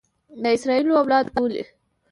د اسراییلو اولاده بولي.